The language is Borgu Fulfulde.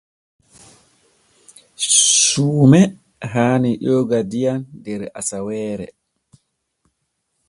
Suume haani jooga diyam der asaweere.